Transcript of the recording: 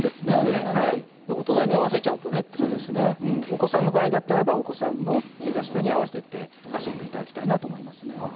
お子さんの場合だったらばお子さんのひざ下に合わせて遊んでいただきたいなと思いますね。